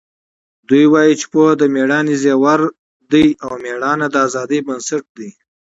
دی وایي چې پوهه د مېړانې زیور دی او مېړانه د ازادۍ بنسټ دی.